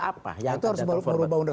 apa itu harus berubah undang empat puluh lima